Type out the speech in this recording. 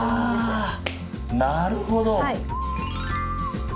なるほど。